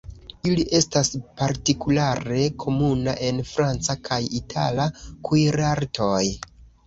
Ili estas partikulare komuna en franca kaj itala kuirartoj.